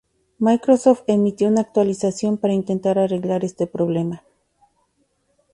Microsoft emitió una actualización para intentar arreglar este problema.